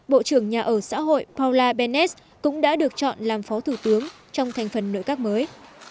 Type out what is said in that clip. bộ trưởng nhà ở xã hội powla bennets cũng đã được chọn làm phó thủ tướng trong thành phần nội các mới